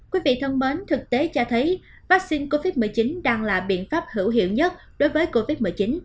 quý vị thân mến thực tế cho thấy vaccine covid một mươi chín đang là biện pháp hữu hiệu nhất đối với covid một mươi chín